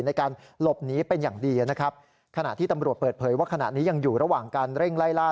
ในการหลบหนีเป็นอย่างดีนะครับขณะที่ตำรวจเปิดเผยว่าขณะนี้ยังอยู่ระหว่างการเร่งไล่ล่า